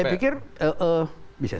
saya pikir bisa saja